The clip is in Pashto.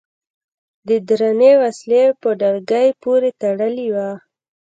د درنې وسلې په ډلګۍ پورې تړلي و.